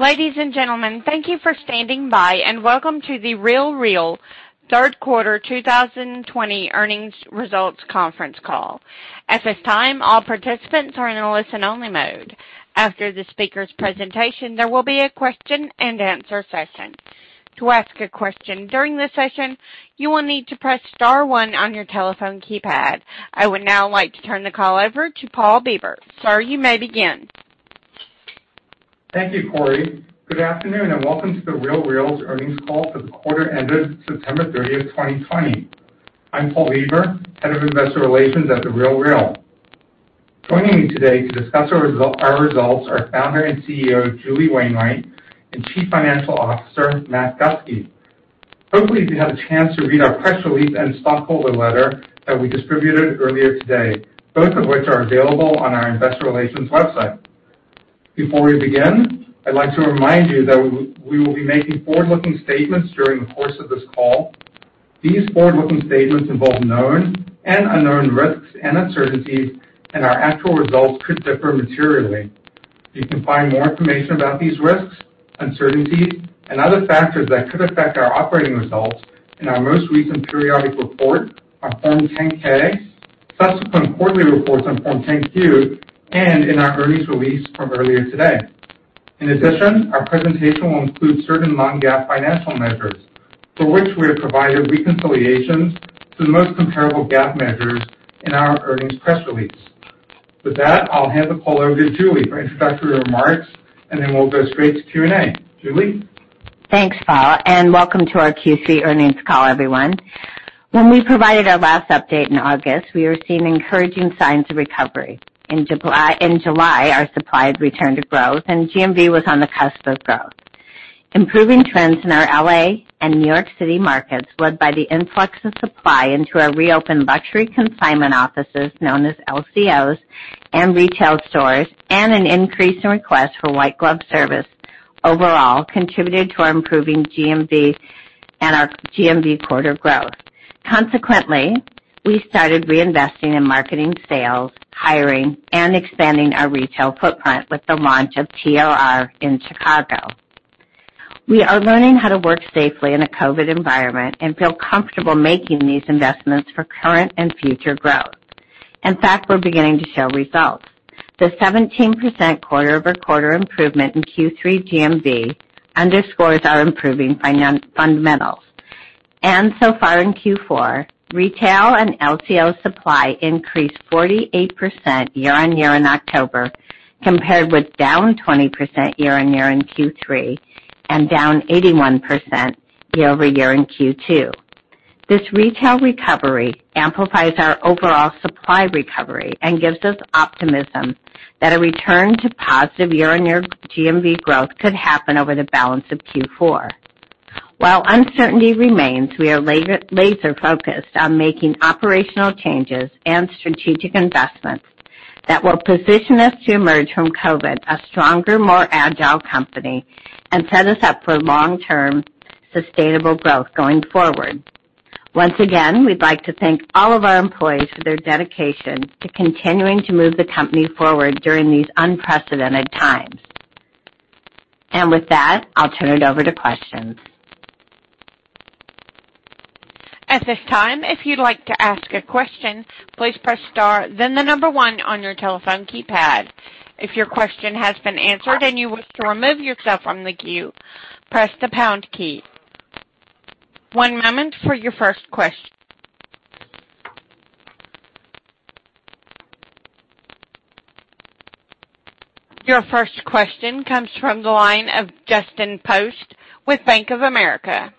Ladies and gentlemen, thank you for standing by, and welcome to The RealReal Q3 2020 earnings results conference call. At this time, all participants are in a listen-only mode. After the speakers' presentation, there will be a question-and-answer session. To ask a question during the session, you will need to press star one on your telephone keypad. I would now like to turn the call over to Paul Bieber. Sir, you may begin. Thank you, Kory. Good afternoon, and welcome to The RealReal's earnings call for the quarter ended September 30th, 2020. I'm Paul Bieber, Head of Investor Relations at The RealReal. Joining me today to discuss our results are Founder and CEO, Julie Wainwright, and Chief Financial Officer, Matt Gustke. Hopefully, you've had a chance to read our press release and stockholder letter that we distributed earlier today, both of which are available on our investor relations website. Before we begin, I'd like to remind you that we will be making forward-looking statements during the course of this call. These forward-looking statements involve known and unknown risks and uncertainties, and our actual results could differ materially. You can find more information about these risks, uncertainties, and other factors that could affect our operating results in our most recent periodic report, our Form 10-K, subsequent quarterly reports on Form 10-Q, and in our earnings release from earlier today. In addition, our presentation will include certain non-GAAP financial measures, for which we have provided reconciliations to the most comparable GAAP measures in our earnings press release. With that, I'll hand the call over to Julie for introductory remarks, and then we'll go straight to Q&A. Julie? Thanks, Paul, and welcome to our Q3 earnings call, everyone. When we provided our last update in August, we were seeing encouraging signs of recovery. In July, our supply had returned to growth, and GMV was on the cusp of growth. Improving trends in our L.A. and New York City markets, led by the influx of supply into our reopened Luxury Consignment Offices, known as LCOs, and retail stores, and an increase in requests for white glove service overall contributed to our improving GMV and our GMV quarter growth. Consequently, we started reinvesting in marketing sales, hiring, and expanding our retail footprint with the launch of TRR in Chicago. We are learning how to work safely in a COVID environment and feel comfortable making these investments for current and future growth. In fact, we're beginning to show results. The 17% quarter-over-quarter improvement in Q3 GMV underscores our improving fundamentals. So far in Q4, retail and LCO supply increased 48% year-on-year in October, compared with down 20% year-on-year in Q3 and down 81% year-over-year in Q2. This retail recovery amplifies our overall supply recovery and gives us optimism that a return to positive year-on-year GMV growth could happen over the balance of Q4. While uncertainty remains, we are laser focused on making operational changes and strategic investments that will position us to emerge from COVID a stronger, more agile company and set us up for long-term sustainable growth going forward. Once again, we'd like to thank all of our employees for their dedication to continuing to move the company forward during these unprecedented times. With that, I'll turn it over to questions. At this time, if you'd like to ask a question, please press star then the number one on your telephone keypad. If your question has been answered and you wish to remove yourself from the queue, press the pound key. One moment for your first question. Your first question comes from the line of Justin Post with Bank of America.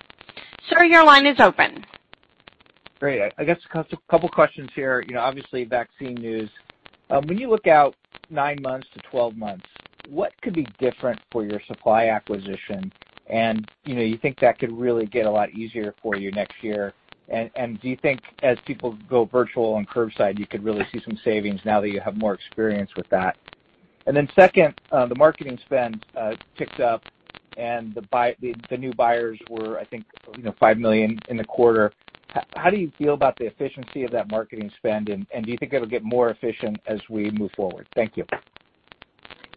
Sir, your line is open. Great. I guess a couple questions here. Obviously, vaccine news. When you look out nine months to 12 months, what could be different for your supply acquisition, and you think that could really get a lot easier for you next year? Do you think as people go virtual and curbside, you could really see some savings now that you have more experience with that? Second, the marketing spend ticked up and the new buyers were, I think, 5 million in the quarter. How do you feel about the efficiency of that marketing spend, and do you think it'll get more efficient as we move forward? Thank you.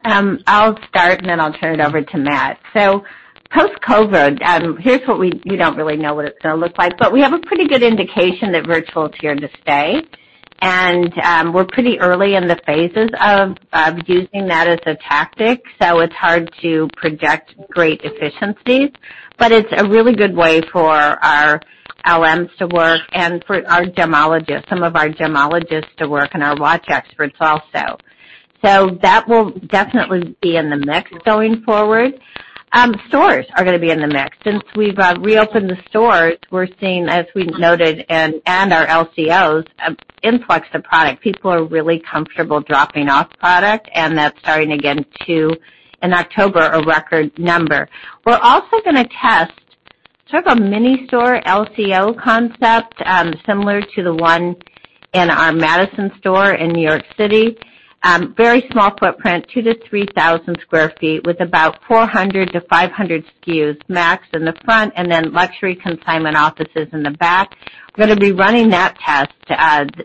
I'll start, and then I'll turn it over to Matt. Post-COVID, here's what you don't really know what it's going to look like, but we have a pretty good indication that virtual is here to stay, and we're pretty early in the phases of using that as a tactic, it's hard to project great efficiencies. It's a really good way for our LMs to work and for some of our gemologists to work, and our watch experts also. That will definitely be in the mix going forward. Stores are going to be in the mix. Since we've reopened the stores, we're seeing, as we noted, and our LCOs, an influx of product. People are really comfortable dropping off product, and that's starting again to, in October, a record number. We're also going to test sort of a mini store LCO concept, similar to the one in our Madison store in New York City. Very small footprint, 2,000-3,000 sq ft with about 400-500 SKUs max in the front, and then luxury consignment offices in the back. We're going to be running that test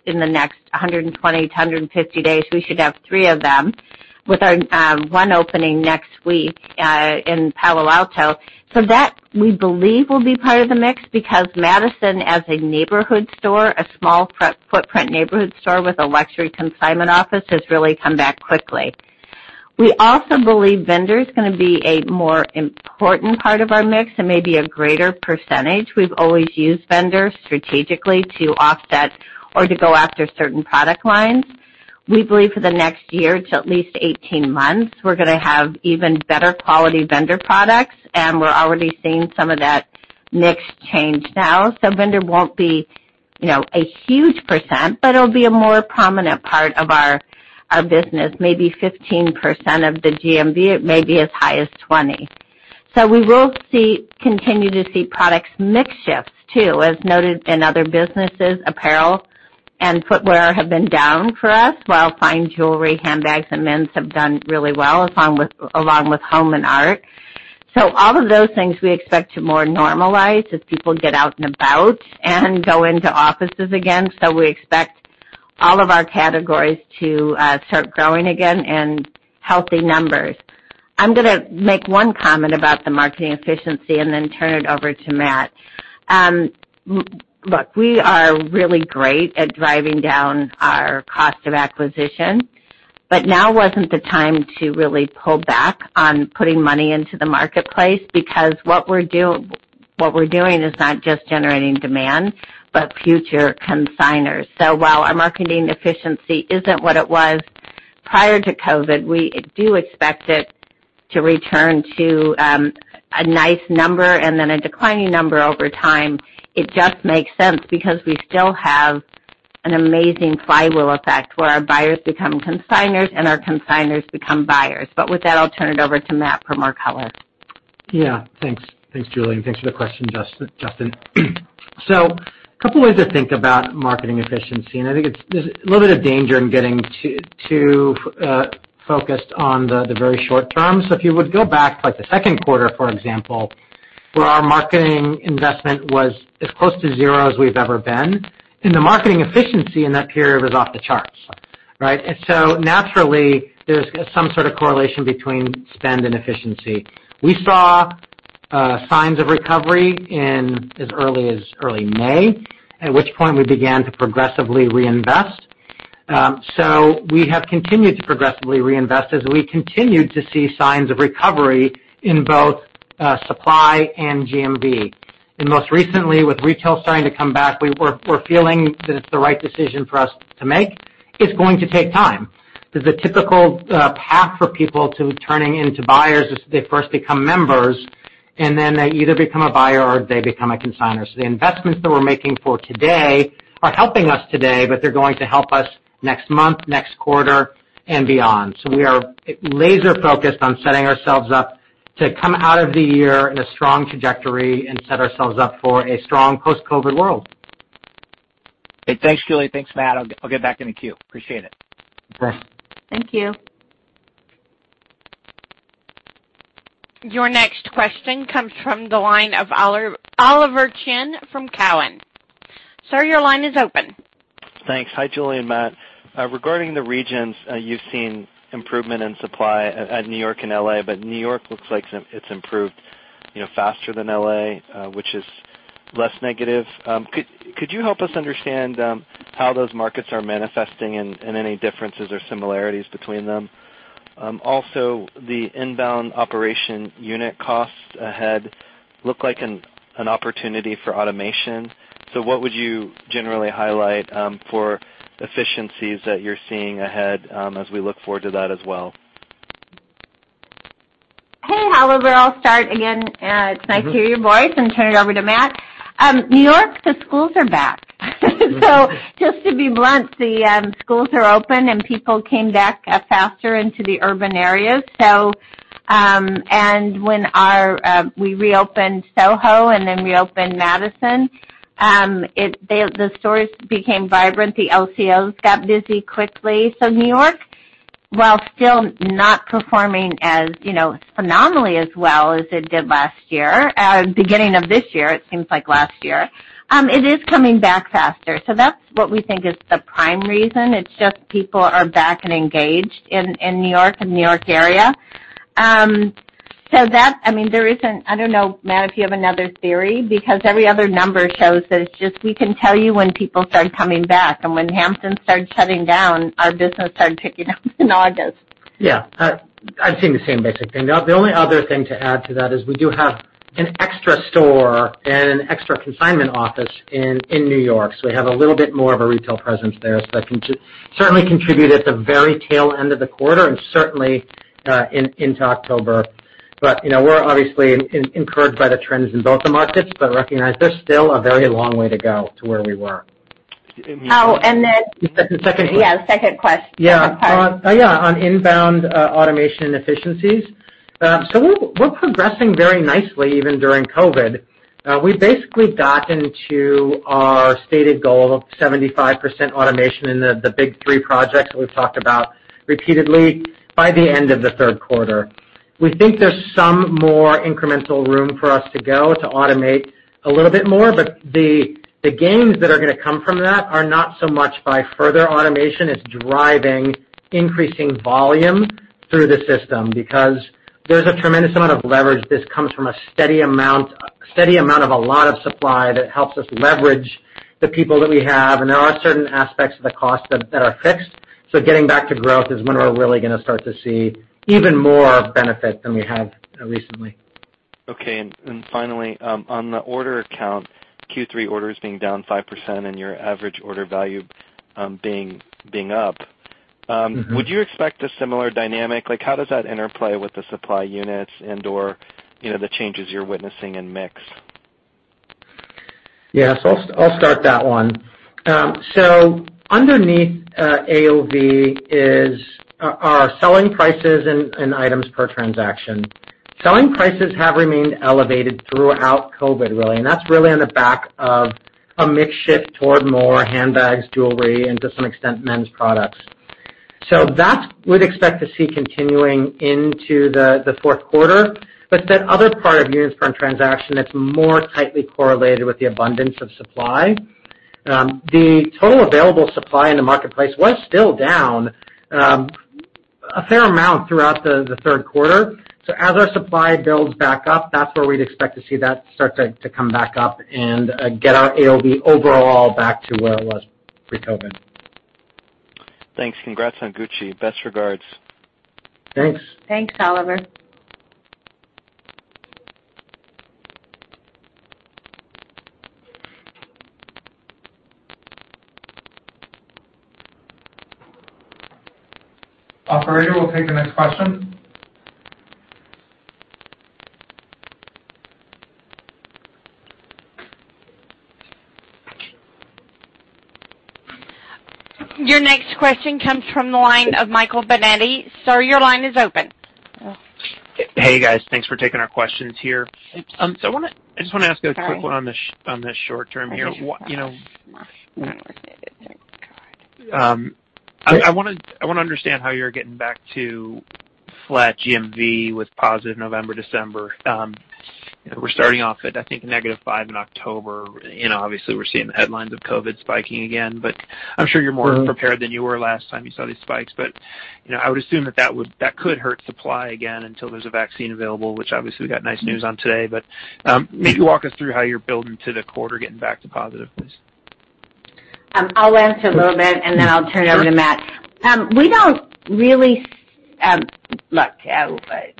in the next 120-150 days. We should have three of them, with our one opening next week in Palo Alto. That, we believe, will be part of the mix because Madison, as a neighborhood store, a small footprint neighborhood store with a luxury consignment office, has really come back quickly. We also believe vendors are going to be a more important part of our mix and maybe a greater percentage. We've always used vendors strategically to offset or to go after certain product lines. We believe for the next year to at least 18 months, we're going to have even better quality vendor products, and we're already seeing some of that mix change now. Vendor won't be a huge percent, but it'll be a more prominent part of our business, maybe 15% of the GMV, it may be as high as 20%. We will continue to see products mix shifts too. As noted in other businesses, apparel and footwear have been down for us, while fine jewelry, handbags, and men's have done really well, along with home and art. All of those things we expect to more normalize as people get out and about and go into offices again. We expect all of our categories to start growing again in healthy numbers. I'm going to make one comment about the marketing efficiency and then turn it over to Matt. Look, we are really great at driving down our cost of acquisition. Now wasn't the time to really pull back on putting money into the marketplace, because what we're doing is not just generating demand, but future consignors. While our marketing efficiency isn't what it was prior to COVID, we do expect it to return to a nice number and then a declining number over time. It just makes sense because we still have an amazing flywheel effect where our buyers become consignors and our consignors become buyers. With that, I'll turn it over to Matt for more color. Yeah. Thanks. Thanks, Julie, and thanks for the question, Justin. A couple ways to think about marketing efficiency, and I think there's a little bit of danger in getting too focused on the very short term. If you would go back, like, the second quarter, for example, where our marketing investment was as close to zero as we've ever been, and the marketing efficiency in that period was off the charts. Right? Naturally, there's some sort of correlation between spend and efficiency. We saw signs of recovery in as early as early May, at which point we began to progressively reinvest. We have continued to progressively reinvest as we continued to see signs of recovery in both supply and GMV. Most recently, with retail starting to come back, we're feeling that it's the right decision for us to make. It's going to take time. The typical path for people to turning into buyers is they first become members, and then they either become a buyer or they become a consignor. The investments that we're making for today are helping us today, but they're going to help us next month, next quarter, and beyond. We are laser-focused on setting ourselves up to come out of the year in a strong trajectory and set ourselves up for a strong post-COVID world. Hey, thanks, Julie. Thanks, Matt. I'll get back in the queue. Appreciate it. Thank you. Your next question comes from the line of Oliver Chen from Cowen. Sir, your line is open. Thanks. Hi, Julie and Matt. Regarding the regions, you've seen improvement in supply at New York and L.A., but New York looks like it's improved faster than L.A., which is less negative. Could you help us understand how those markets are manifesting and any differences or similarities between them? Also, the inbound operation unit costs ahead look like an opportunity for automation. What would you generally highlight for efficiencies that you're seeing ahead as we look forward to that as well? Hey, Oliver. I'll start again, it's nice to hear your voice, and turn it over to Matt. New York, the schools are back. Just to be blunt, the schools are open, and people came back faster into the urban areas. When we reopened SoHo and then reopened Madison, the stores became vibrant. The LCOs got busy quickly. New York, while still not performing as phenomenally as well as it did last year, beginning of this year, it seems like last year, it is coming back faster. That's what we think is the prime reason. It's just people are back and engaged in New York and New York area. I don't know, Matt, if you have another theory, because every other number shows that it's just, we can tell you when people started coming back, and when The Hamptons started shutting down, our business started ticking up in August. Yeah. I've seen the same basic thing. The only other thing to add to that is we do have an extra store and an extra consignment office in New York, so we have a little bit more of a retail presence there. That can certainly contribute at the very tail end of the quarter and certainly into October. We're obviously encouraged by the trends in both the markets, but recognize there's still a very long way to go to where we were. Oh, and then- The second question. Yeah. Second question. I'm sorry. Yeah. On inbound automation and efficiencies. We're progressing very nicely, even during COVID. We've basically gotten to our stated goal of 75% automation in the big three projects that we've talked about repeatedly by the end of the third quarter. We think there's some more incremental room for us to go to automate a little bit more, but the gains that are going to come from that are not so much by further automation. It's driving increasing volume through the system because there's a tremendous amount of leverage. This comes from a steady amount of a lot of supply that helps us leverage the people that we have, and there are certain aspects of the cost that are fixed. Getting back to growth is when we're really going to start to see even more benefit than we have recently. Okay. Finally, on the order count, Q3 orders being down 5% and your average order value being up. Would you expect a similar dynamic? How does that interplay with the supply units and/or the changes you're witnessing in mix? Yes, I'll start that one. Underneath AOV are selling prices and items per transaction. Selling prices have remained elevated throughout COVID, really, and that's really on the back of a mix shift toward more handbags, jewelry, and to some extent, men's products. That we'd expect to see continuing into the fourth quarter. That other part of units per transaction, it's more tightly correlated with the abundance of supply. The total available supply in the marketplace was still down a fair amount throughout the third quarter. As our supply builds back up, that's where we'd expect to see that start to come back up and get our AOV overall back to where it was pre-COVID. Thanks. Congrats on Gucci. Best regards. Thanks. Thanks, Oliver. Operator, we'll take the next question. Your next question comes from the line of Michael Binetti. Sir, your line is open. Hey, guys. Thanks for taking our questions here. I just want to ask a quick one on the short term here. I want to understand how you're getting back to flat GMV with positive November, December. We're starting off at, I think, negative five in October. Obviously, we're seeing the headlines of COVID spiking again, I'm sure you're more prepared than you were last time you saw these spikes. I would assume that that could hurt supply again until there's a vaccine available, which obviously we got nice news on today. Maybe walk us through how you're building to the quarter, getting back to positive, please. I'll answer a little bit, and then I'll turn it over to Matt. Look,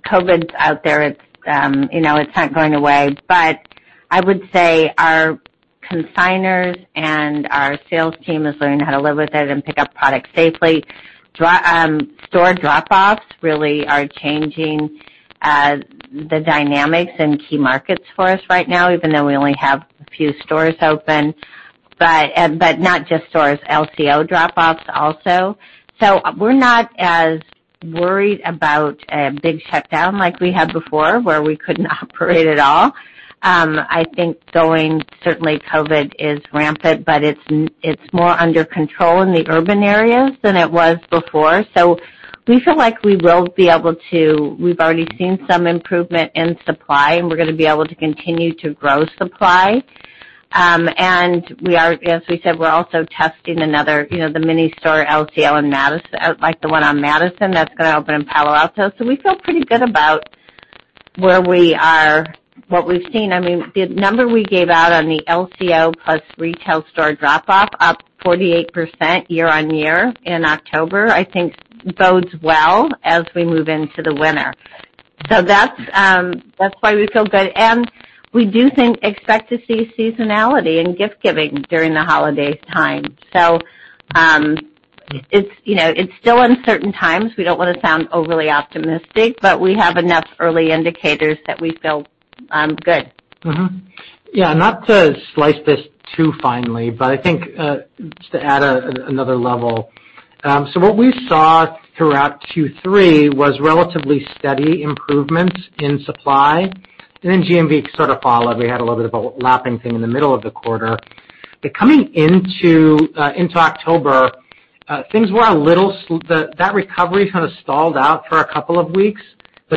COVID's out there. It's not going away, but I would say our consignors and our sales team is learning how to live with it and pick up product safely. Store drop-offs really are changing the dynamics in key markets for us right now, even though we only have a few stores open. Not just stores, LCO drop-offs also. We're not as worried about a big shutdown like we had before, where we couldn't operate at all. I think going, certainly COVID is rampant, but it's more under control in the urban areas than it was before. We feel like we will be able to We've already seen some improvement in supply, and we're going to be able to continue to grow supply. As we said, we're also testing the mini store LCO, like the one on Madison, that's going to open in Palo Alto. We feel pretty good about where we are, what we've seen. The number we gave out on the LCO plus retail store drop-off, up 48% year-on-year in October, I think bodes well as we move into the winter. That's why we feel good. We do expect to see seasonality in gift giving during the holiday time. It's still uncertain times. We don't want to sound overly optimistic, but we have enough early indicators that we feel good. Mm-hmm. Yeah, not to slice this too finely, I think just to add another level. What we saw throughout Q3 was relatively steady improvements in supply, and then GMV sort of followed. We had a little bit of a lapping thing in the middle of the quarter. Coming into October, that recovery kind of stalled out for a couple of weeks,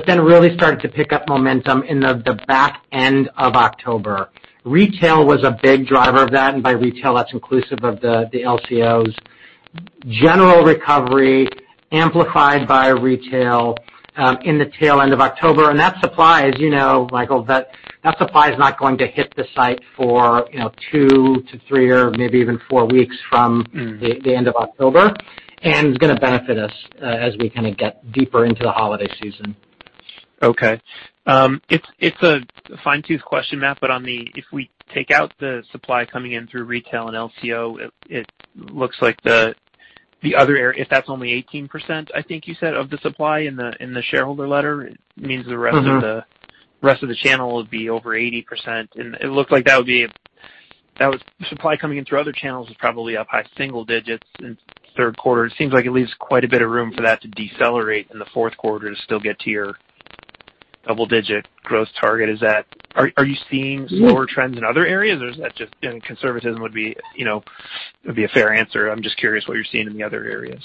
then really started to pick up momentum in the back end of October. Retail was a big driver of that, and by retail, that's inclusive of the LCOs. General recovery amplified by retail in the tail end of October, that supply, as you know, Michael, that supply is not going to hit the site for two to three or maybe even four weeks from the end of October and is going to benefit us as we kind of get deeper into the holiday season. Okay. It's a fine-tooth question, Matt, but if we take out the supply coming in through retail and LCO, it looks like if that's only 18%, I think you said, of the supply in the shareholder letter, it means the rest of the channel would be over 80%. It looks like the supply coming in through other channels is probably up high single digits in the third quarter. It seems like it leaves quite a bit of room for that to decelerate in the fourth quarter. Double-digit growth target. Are you seeing slower trends in other areas, or is that just conservatism would be a fair answer? I'm just curious what you're seeing in the other areas.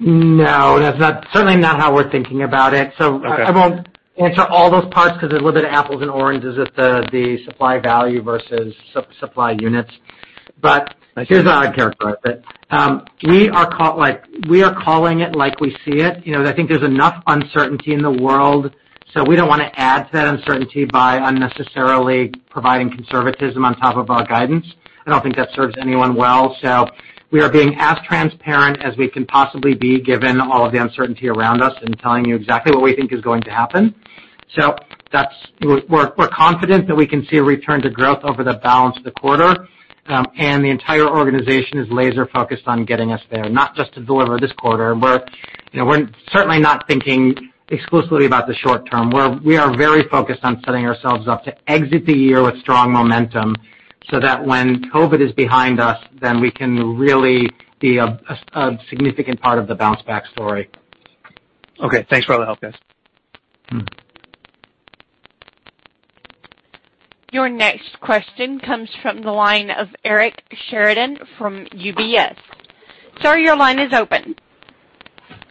No, that's certainly not how we're thinking about it. Okay. I won't answer all those parts because they're a little bit of apples and oranges as the supply value versus supply units. Here's how I characterize it. We are calling it like we see it. I think there's enough uncertainty in the world, so we don't want to add to that uncertainty by unnecessarily providing conservatism on top of our guidance. I don't think that serves anyone well. We are being as transparent as we can possibly be, given all of the uncertainty around us and telling you exactly what we think is going to happen. We're confident that we can see a return to growth over the balance of the quarter. The entire organization is laser-focused on getting us there, not just to deliver this quarter. We're certainly not thinking exclusively about the short term. We are very focused on setting ourselves up to exit the year with strong momentum so that when COVID is behind us, then we can really be a significant part of the bounce back story. Okay. Thanks for all the help, guys. Your next question comes from the line of Eric Sheridan from UBS. Sir, your line is open.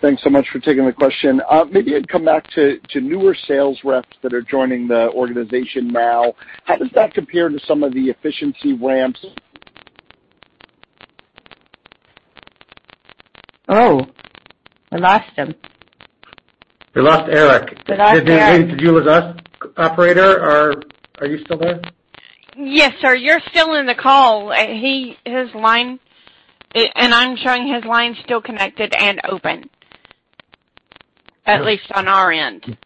Thanks so much for taking the question. Maybe I'd come back to newer sales reps that are joining the organization now. How does that compare to some of the efficiency ramps? Oh, we lost him. We lost Eric. We lost Eric. Did he leave to join with us? Operator? Are you still there? Yes, sir. You're still in the call. I'm showing his line still connected and open, at least on our end.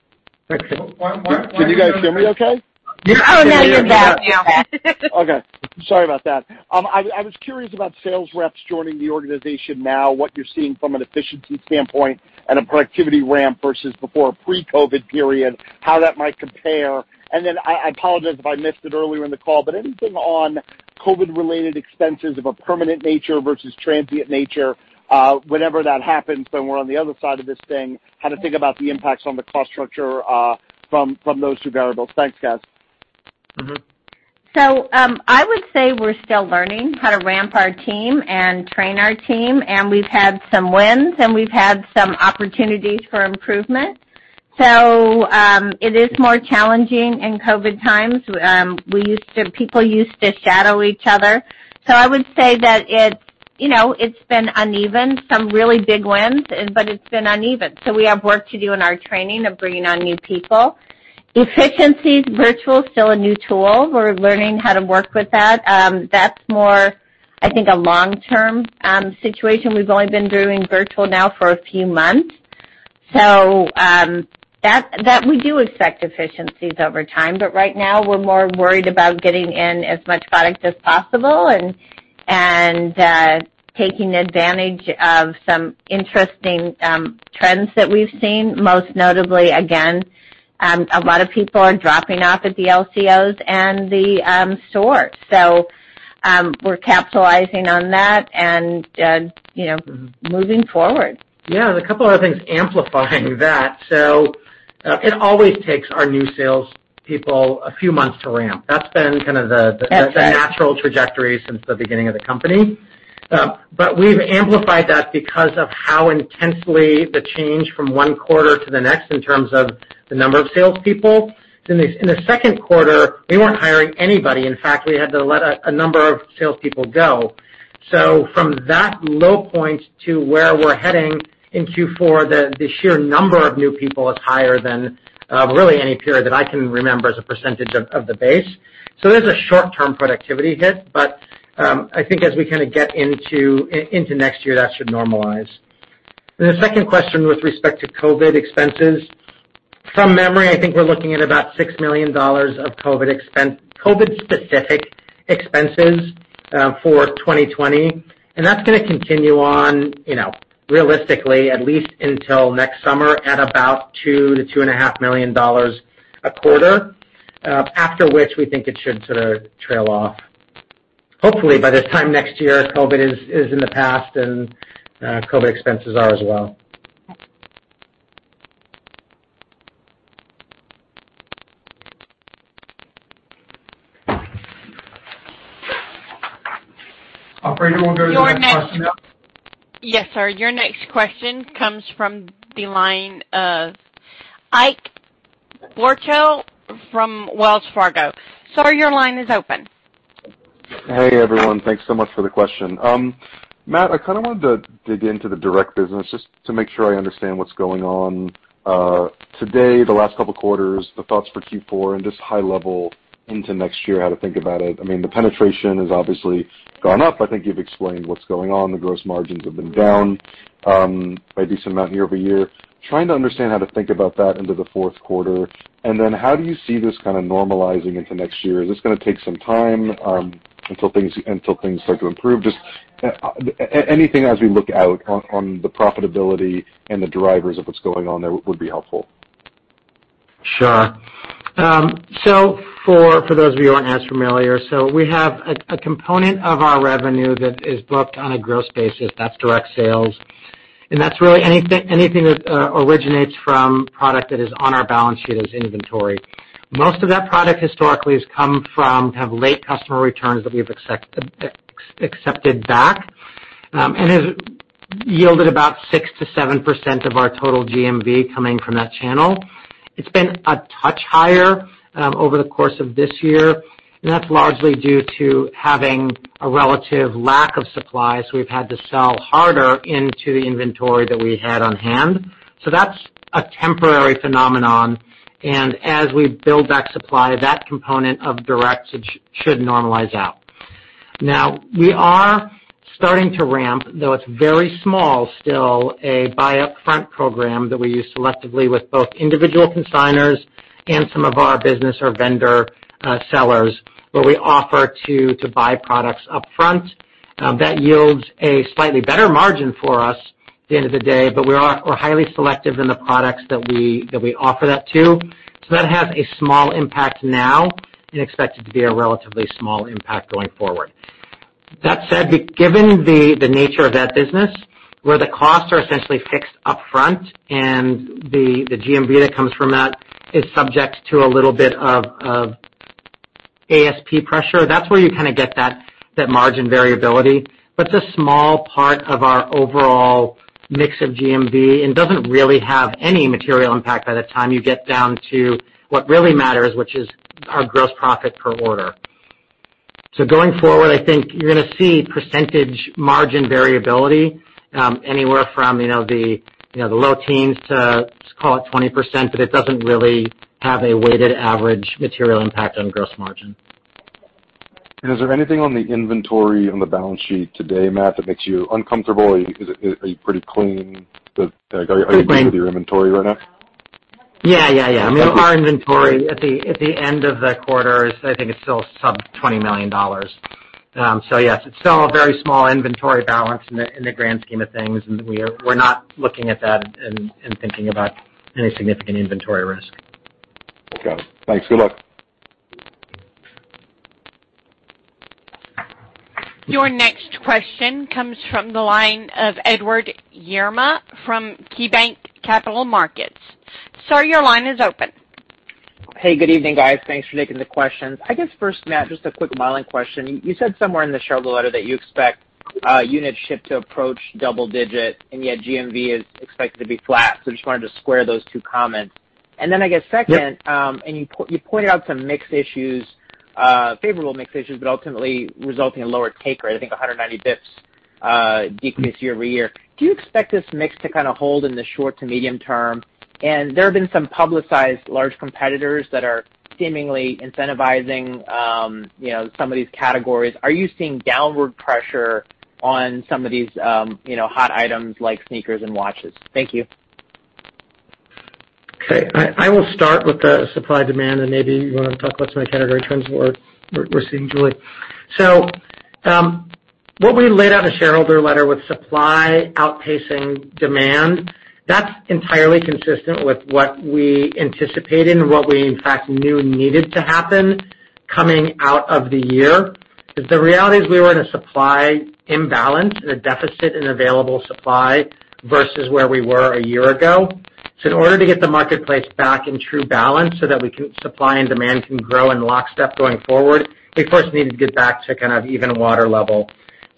Excellent. Can you guys hear me okay? Oh, now you're back. Okay. Sorry about that. I was curious about sales reps joining the organization now, what you're seeing from an efficiency standpoint and a productivity ramp versus before pre-COVID period, how that might compare. I apologize if I missed it earlier in the call, but anything on COVID-related expenses of a permanent nature versus transient nature, whenever that happens, when we're on the other side of this thing, how to think about the impacts on the cost structure from those two variables. Thanks, guys. I would say we're still learning how to ramp our team and train our team, and we've had some wins, and we've had some opportunities for improvement. It is more challenging in COVID times. People used to shadow each other. I would say that it's been uneven, some really big wins, but it's been uneven. We have work to do in our training of bringing on new people. Efficiencies, virtual is still a new tool. We're learning how to work with that. That's more, I think, a long-term situation. We've only been doing virtual now for a few months. That we do expect efficiencies over time. Right now, we're more worried about getting in as much product as possible and taking advantage of some interesting trends that we've seen. Most notably, again, a lot of people are dropping off at the LCOs and the stores. We're capitalizing on that and moving forward. Yeah, there's a couple other things amplifying that. It always takes our new salespeople a few months to ramp. That's right. natural trajectory since the beginning of the company. We've amplified that because of how intensely the change from one quarter to the next in terms of the number of salespeople. In the second quarter, we weren't hiring anybody. In fact, we had to let a number of salespeople go. From that low point to where we're heading in Q4, the sheer number of new people is higher than really any period that I can remember as a percentage of the base. There's a short-term productivity hit. I think as we kind of get into next year, that should normalize. The second question with respect to COVID expenses. From memory, I think we're looking at about $6 million of COVID-specific expenses for 2020, and that's going to continue on realistically at least until next summer at about $2 million-$2.5 million a quarter, after which we think it should sort of trail off. Hopefully, by this time next year, COVID is in the past, and COVID expenses are as well. Operator, we'll go to the next question. Yes, sir. Your next question comes from the line of Ike Boruchow from Wells Fargo. Sir, your line is open. Hey, everyone. Thanks so much for the question. Matt, I kind of wanted to dig into the direct business just to make sure I understand what's going on. Today, the last couple of quarters, the thoughts for Q4 and just high level into next year, how to think about it. I mean, the penetration has obviously gone up. I think you've explained what's going on. The gross margins have been down by decent amount year-over-year. Trying to understand how to think about that into the fourth quarter. Then how do you see this kind of normalizing into next year? Is this going to take some time until things start to improve? Just anything as we look out on the profitability and the drivers of what's going on there would be helpful. Sure. For those of you who aren't as familiar, we have a component of our revenue that is booked on a gross basis, that's direct sales. That's really anything that originates from product that is on our balance sheet as inventory. Most of that product historically has come from kind of late customer returns that we've accepted back, and has yielded about 6%-7% of our total GMV coming from that channel. It's been a touch higher over the course of this year, and that's largely due to having a relative lack of supply, we've had to sell harder into the inventory that we had on hand. That's a temporary phenomenon, and as we build back supply, that component of direct should normalize out. We are starting to ramp, though it's very small still, a buy-upfront program that we use selectively with both individual consignors and some of our business or vendor sellers, where we offer to buy products upfront. That yields a slightly better margin for us at the end of the day. We're highly selective in the products that we offer that to. That has a small impact now, and expected to be a relatively small impact going forward. That said, given the nature of that business, where the costs are essentially fixed upfront and the GMV that comes from that is subject to a little bit of ASP pressure, that's where you kind of get that margin variability. It's a small part of our overall mix of GMV and doesn't really have any material impact by the time you get down to what really matters, which is our gross profit per order. Going forward, I think you're going to see percentage margin variability, anywhere from the low teens to, let's call it 20%, but it doesn't really have a weighted average material impact on gross margin. Is there anything on the inventory on the balance sheet today, Matt, that makes you uncomfortable? Are you pretty clean with your inventory right now? Our inventory at the end of the quarter is, I think it's still sub $20 million. Yes, it's still a very small inventory balance in the grand scheme of things, and we're not looking at that and thinking about any significant inventory risk. Okay. Thanks. Good luck. Your next question comes from the line of Edward Yruma from KeyBanc Capital Markets. Sir, your line is open. Hey, good evening, guys. Thanks for taking the questions. I guess first, Matt, just a quick modeling question. You said somewhere in the shareholder letter that you expect unit shipped to approach double-digit, and yet GMV is expected to be flat. Just wanted to square those two comments. I guess second, you pointed out some mix issues, favorable mix issues, but ultimately resulting in lower take rate, I think 190 bps decrease year-over-year. Do you expect this mix to kind of hold in the short to medium term? There have been some publicized large competitors that are seemingly incentivizing some of these categories. Are you seeing downward pressure on some of these hot items like sneakers and watches? Thank you. Okay. I will start with the supply-demand, and maybe you want to talk about some of the category trends we're seeing, Julie. What we laid out in shareholder letter with supply outpacing demand, that's entirely consistent with what we anticipated and what we, in fact, knew needed to happen coming out of the year. Because the reality is we were in a supply imbalance and a deficit in available supply versus where we were a year ago. In order to get the marketplace back in true balance so that supply and demand can grow in lockstep going forward, we first needed to get back to kind of even water level.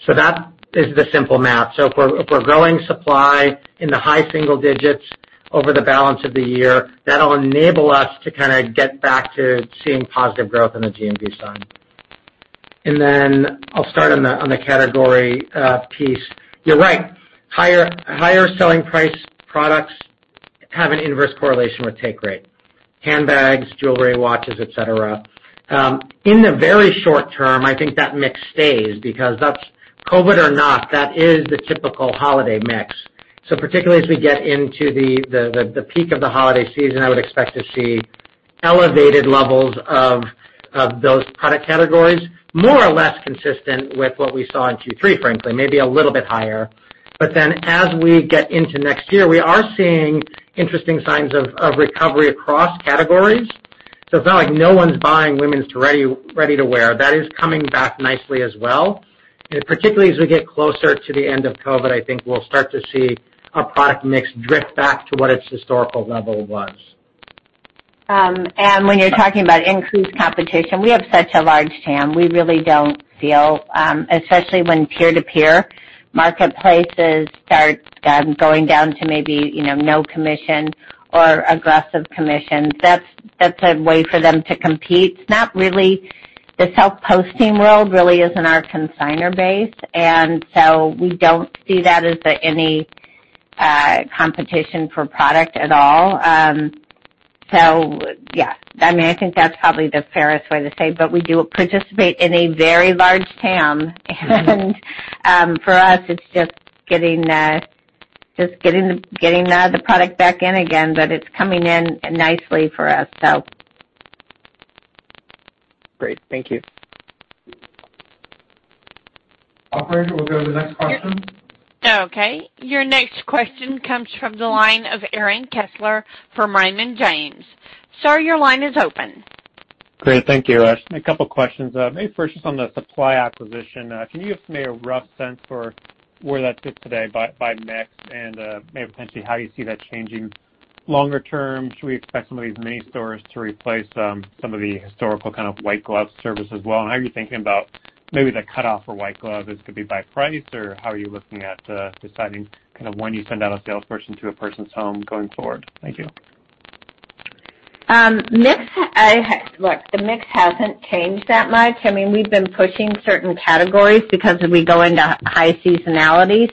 That is the simple math. If we're growing supply in the high single digits over the balance of the year, that'll enable us to kind of get back to seeing positive growth in the GMV side. Then I'll start on the category piece. You're right, higher selling price products have an inverse correlation with take rate. Handbags, jewelry, watches, et cetera. In the very short term, I think that mix stays, because COVID or not, that is the typical holiday mix. Particularly as we get into the peak of the holiday season, I would expect to see elevated levels of those product categories, more or less consistent with what we saw in Q3, frankly, maybe a little bit higher. As we get into next year, we are seeing interesting signs of recovery across categories. It's not like no one's buying women's ready-to-wear. That is coming back nicely as well. Particularly as we get closer to the end of COVID, I think we'll start to see our product mix drift back to what its historical level was. When you're talking about increased competition, we have such a large TAM, we really don't feel, especially when peer-to-peer marketplaces start going down to maybe no commission or aggressive commissions, that's a way for them to compete. The self-posting world really isn't our consignor base, and so we don't see that as any competition for product at all. Yeah. I think that's probably the fairest way to say, but we do participate in a very large TAM, and for us, it's just getting the product back in again, but it's coming in nicely for us. Great. Thank you. Operator, we'll go to the next question. Okay. Your next question comes from the line of Aaron Kessler from Raymond James. Sir, your line is open. Great. Thank you. Just a couple of questions. First, just on the supply acquisition, can you give me a rough sense for where that sits today by mix, and maybe potentially how you see that changing longer term? Should we expect some of these mini-stores to replace some of the historical kind of white glove service as well, how are you thinking about maybe the cutoff for white glove, is it going to be by price, or how are you looking at deciding when you send out a salesperson to a person's home going forward? Thank you. Look, the mix hasn't changed that much. We've been pushing certain categories because we go into high seasonality.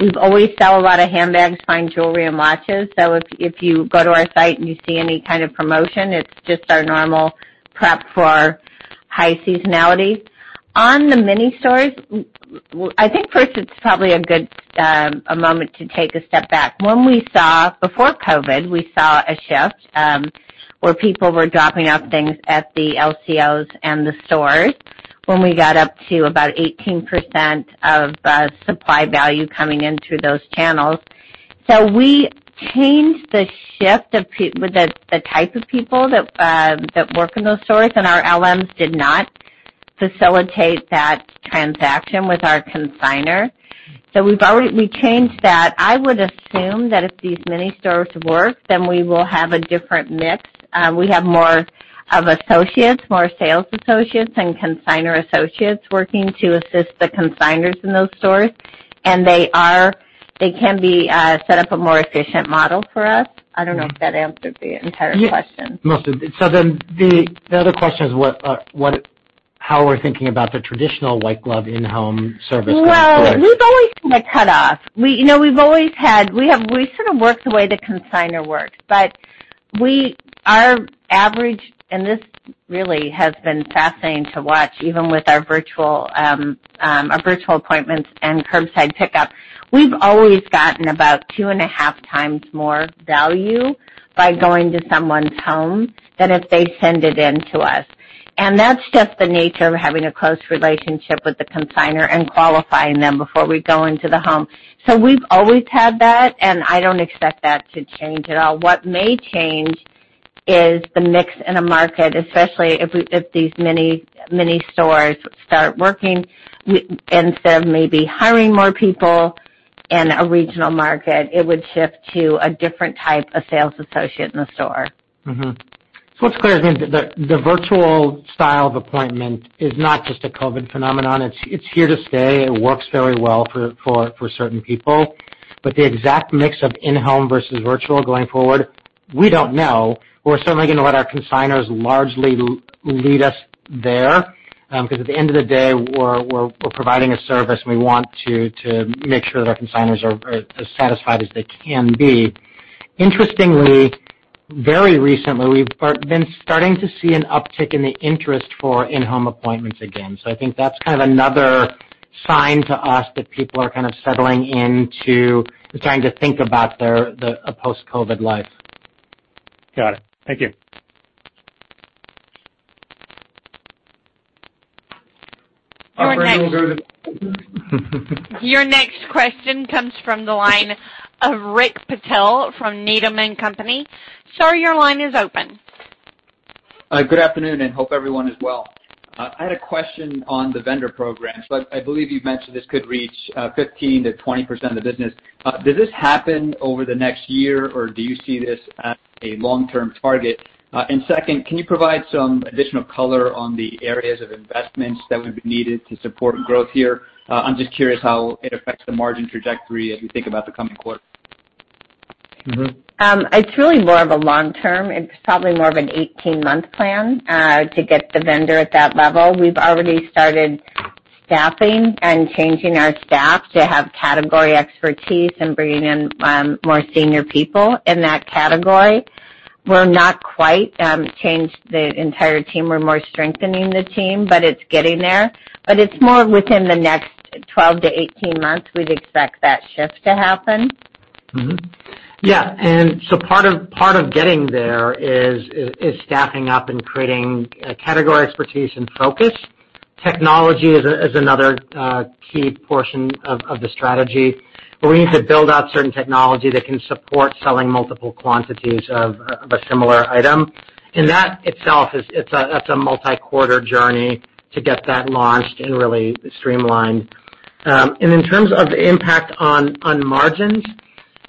We always sell a lot of handbags, fine jewelry, and watches. If you go to our site and you see any kind of promotion, it's just our normal prep for high seasonality. On the mini-stores, I think first it's probably a good moment to take a step back. Before COVID, we saw a shift, where people were dropping off things at the LCOs and the stores when we got up to about 18% of supply value coming in through those channels. We changed the shift of the type of people that work in those stores, and our LMs did not facilitate that transaction with our consignor. We've already changed that. I would assume that if these mini-stores work, then we will have a different mix. We have more associates, more sales associates, and consignor associates working to assist the consignors in those stores. They can be set up a more efficient model for us. I don't know if that answered the entire question. Most of it. The other question is how we're thinking about the traditional white glove in-home service going forward? Well, we've always had a cutoff. We've sort of worked the way the consignor works. Our average, and this really has been fascinating to watch, even with our virtual appointments and curbside pickup, we've always gotten about two and a half times more value by going to someone's home than if they send it in to us. That's just the nature of having a close relationship with the consignor and qualifying them before we go into the home. We've always had that, and I don't expect that to change at all. What may change is the mix in a market, especially if these mini-stores start working. Instead of maybe hiring more people in a regional market, it would shift to a different type of sales associate in the store. What's clear is the virtual style of appointment is not just a COVID phenomenon. It's here to stay. It works very well for certain people. The exact mix of in-home versus virtual going forward, we don't know. We're certainly going to let our consignors largely lead us there, because at the end of the day, we're providing a service, and we want to make sure that our consignors are as satisfied as they can be. Interestingly, very recently, we've been starting to see an uptick in the interest for in-home appointments again. I think that's kind of another sign to us that people are kind of settling in to trying to think about a post-COVID life. Got it. Thank you. Your next- Operator, we'll go to the next question. Your next question comes from the line of Rick Patel from Needham & Company. Sir, your line is open. Good afternoon. Hope everyone is well. I had a question on the vendor program. I believe you've mentioned this could reach 15%-20% of the business. Does this happen over the next year, or do you see this as a long-term target? Second, can you provide some additional color on the areas of investments that would be needed to support growth here? I'm just curious how it affects the margin trajectory as we think about the coming quarters. It's really more of a long-term. It's probably more of an 18-month plan to get the vendor at that level. We've already started staffing and changing our staff to have category expertise and bringing in more senior people in that category. We'll not quite change the entire team. We're more strengthening the team, but it's getting there. It's more within the next 12-18 months, we'd expect that shift to happen. Yeah, part of getting there is staffing up and creating a category expertise and focus. Technology is another key portion of the strategy, where we need to build out certain technology that can support selling multiple quantities of a similar item. That itself, that's a multi-quarter journey to get that launched and really streamlined. In terms of the impact on margins,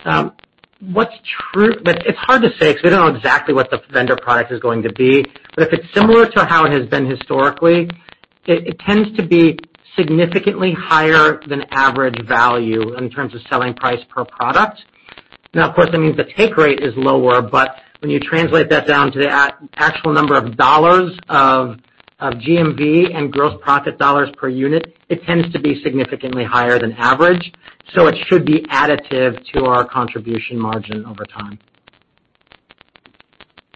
it's hard to say because we don't know exactly what the vendor product is going to be. If it's similar to how it has been historically, it tends to be significantly higher than average value in terms of selling price per product. Of course, that means the take rate is lower, but when you translate that down to the actual number of dollars of GMV and gross profit dollars per unit, it tends to be significantly higher than average. It should be additive to our contribution margin over time.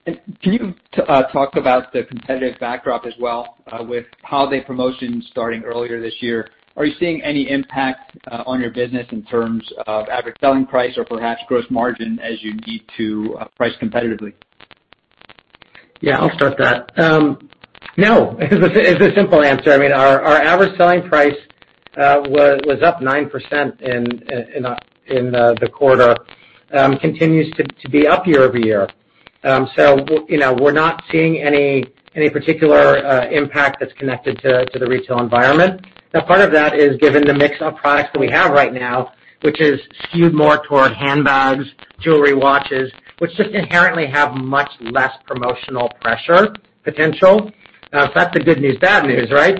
Can you talk about the competitive backdrop as well, with holiday promotions starting earlier this year. Are you seeing any impact on your business in terms of average selling price or perhaps gross margin as you need to price competitively? Yeah, I'll start that. No, it's a simple answer. I mean, our average selling price was up 9% in the quarter, continues to be up year-over-year. We're not seeing any particular impact that's connected to the retail environment. Now, part of that is given the mix of products that we have right now, which is skewed more toward handbags, jewelry, watches, which just inherently have much less promotional pressure potential. That's the good news, bad news, right?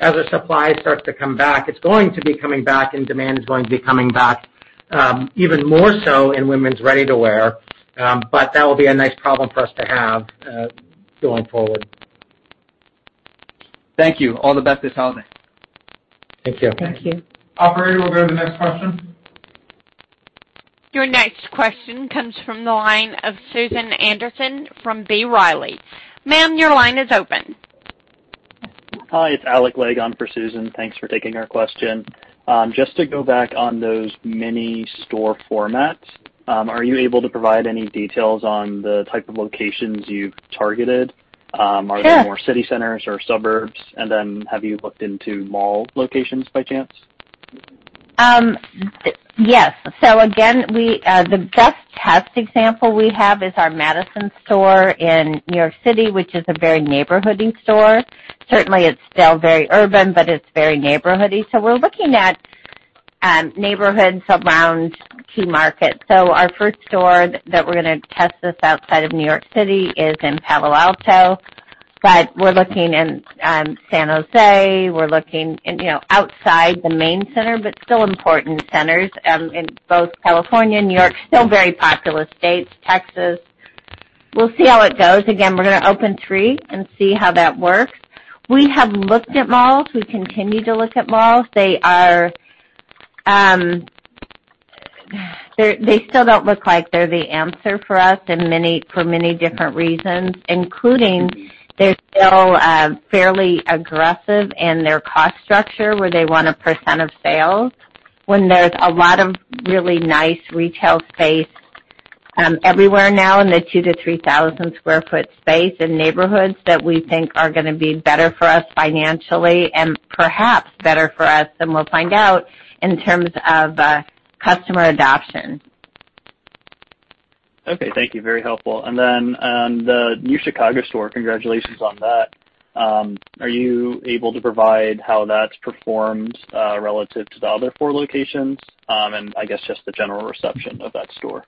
As the supply starts to come back, it's going to be coming back and demand is going to be coming back even more so in women's ready-to-wear, but that will be a nice problem for us to have going forward. Thank you. All the best this holiday. Thank you. Thank you. Operator, we'll go to the next question. Your next question comes from the line of Susan Anderson from B. Riley. Ma'am, your line is open. Hi, it's Alec Legg for Susan. Thanks for taking our question. Just to go back on those mini store formats, are you able to provide any details on the type of locations you've targeted? Sure. Are they more city centers or suburbs? Have you looked into mall locations by chance? Yes. Again, the best test example we have is our Madison store in New York City, which is a very neighborhoody store. Certainly, it's still very urban, but it's very neighborhoody. We're looking at neighborhoods around key markets. Our first store that we're going to test this outside of New York City is in Palo Alto. We're looking in San Jose, we're looking outside the main center, but still important centers in both California and New York. Still very populous states. Texas. We'll see how it goes. Again, we're going to open three and see how that works. We have looked at malls. We continue to look at malls. They still don't look like they're the answer for us for many different reasons, including they're still fairly aggressive in their cost structure where they want a percent of sales, when there's a lot of really nice retail space everywhere now in the two to three thousand square foot space in neighborhoods that we think are going to be better for us financially and perhaps better for us than we'll find out in terms of customer adoption. Okay. Thank you. Very helpful. Then on the new Chicago store, congratulations on that. Are you able to provide how that's performed relative to the other four locations? I guess just the general reception of that store.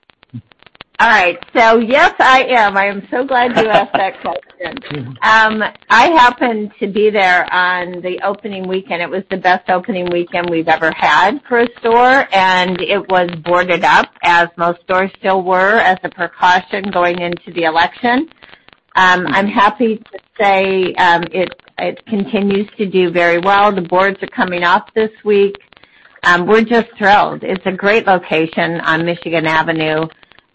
All right. Yes, I am so glad you asked that question. I happened to be there on the opening weekend. It was the best opening weekend we've ever had for a store, and it was boarded up, as most stores still were, as a precaution going into the election. I'm happy to say it continues to do very well. The boards are coming off this week. We're just thrilled. It's a great location on Michigan Avenue.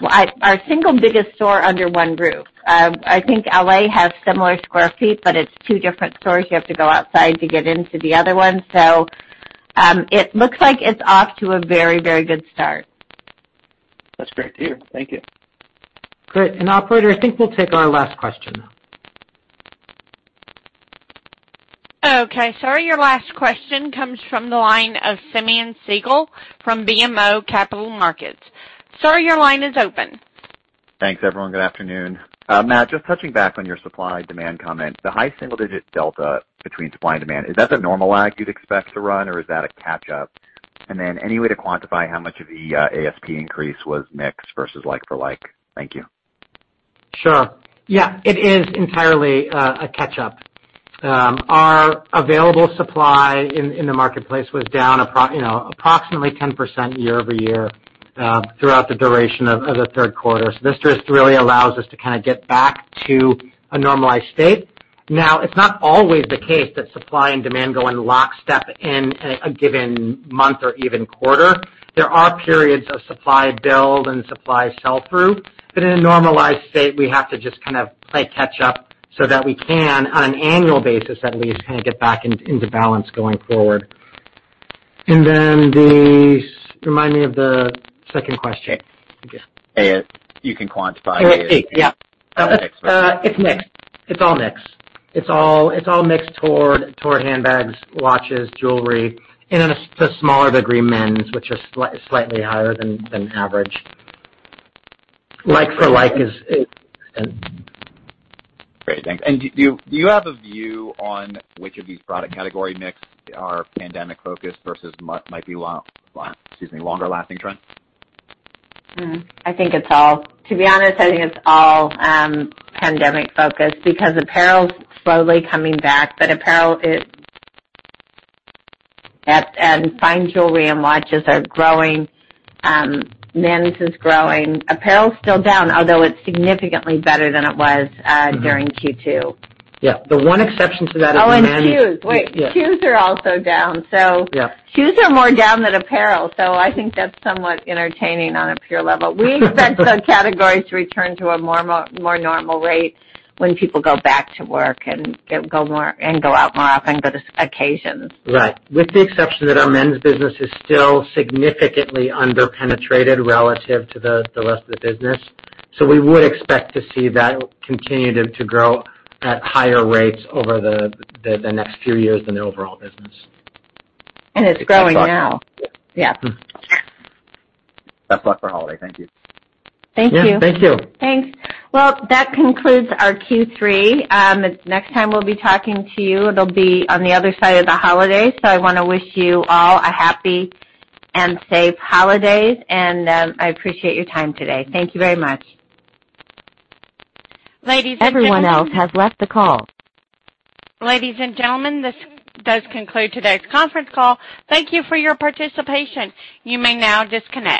Our single biggest store under one roof. I think L.A. has similar square feet, but it's two different stores. You have to go outside to get into the other one. It looks like it's off to a very good start. That's great to hear. Thank you. Great. Operator, I think we'll take our last question now. Okay. Sir, your last question comes from the line of Simeon Siegel from BMO Capital Markets. Sir, your line is open. Thanks, everyone. Good afternoon. Matt, just touching back on your supply demand comment, the high single digit delta between supply and demand, is that the normal lag you'd expect to run or is that a catch up? Any way to quantify how much of the ASP increase was mixed versus like for like? Thank you. Sure. Yeah, it is entirely a catch up. Our available supply in the marketplace was down approximately 10% year-over-year throughout the duration of the third quarter. This just really allows us to get back to a normalized state. Now, it's not always the case that supply and demand go in lockstep in a given month or even quarter. There are periods of supply build and supply sell through. In a normalized state, we have to just play catch up so that we can, on an annual basis at least, get back into balance going forward. Remind me of the second question. Sure. If you can quantify the ASP. ASP. Yeah. It's mixed. It's all mixed. It's all mixed toward handbags, watches, jewelry, and then to a smaller degree, men's, which is slightly higher than average. Like for like is. Great, thanks. Do you have a view on which of these product category mix are pandemic focused versus might be, excuse me, longer lasting trends? To be honest, I think it's all pandemic focused because apparel's slowly coming back, but apparel is and fine jewelry and watches are growing. Men's is growing. Apparel's still down, although it's significantly better than it was during Q2. Yeah. The one exception to that is men's. Oh, shoes. Wait. Yeah. Shoes are also down. Yeah. Shoes are more down than apparel, so I think that's somewhat entertaining on a pure level. We expect some categories to return to a more normal rate when people go back to work and go out more often, go to occasions. Right. With the exception that our men's business is still significantly under-penetrated relative to the rest of the business. We would expect to see that continue to grow at higher rates over the next few years than the overall business. It's growing now. Yes. Yeah. Best luck for holiday. Thank you. Thank you. Yeah. Thank you. Thanks. That concludes our Q3. Next time we'll be talking to you, it'll be on the other side of the holiday. I want to wish you all a happy and safe holidays. I appreciate your time today. Thank you very much. Ladies and gentlemen. Everyone else has left the call. Ladies and gentlemen, this does conclude today's conference call. Thank you for your participation. You may now disconnect.